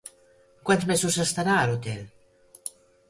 Quants mesos s'estarà a l'hotel?